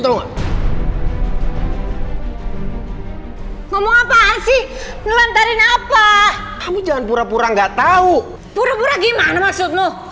ngomong apa sih luantarin apa kamu jangan pura pura nggak tahu